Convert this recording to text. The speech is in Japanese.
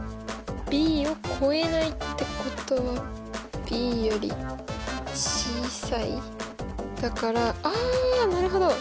ｂを超えないってことはｂより小さいだからあなるほど。